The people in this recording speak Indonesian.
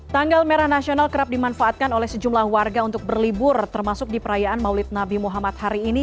tanggal merah nasional kerap dimanfaatkan oleh sejumlah warga untuk berlibur termasuk di perayaan maulid nabi muhammad hari ini